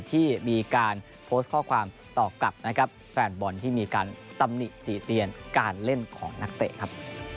ที่มีการโพสต์ข้อความตอบกลับนะครับแฟนบอลที่มีการตำหนิติเตียนการเล่นของนักเตะครับ